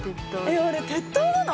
えあれ鉄塔なの？